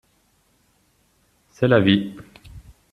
C'est la vie.